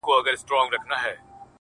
لا ایله وه رسېدلې تر بازاره !.